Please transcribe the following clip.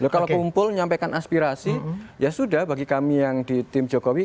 kalau kumpul nyampaikan aspirasi ya sudah bagi kami yang di tim jokowi